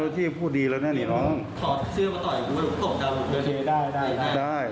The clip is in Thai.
แนวเป็นไง